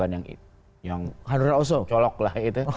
yang colok lah